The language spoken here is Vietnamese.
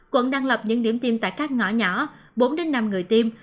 quận đang lập những điểm tiêm tại các ngõ nhỏ bốn năm người tiêm